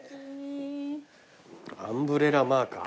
アンブレラマーカー。